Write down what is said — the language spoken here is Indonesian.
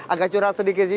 agak curhat sedikit sih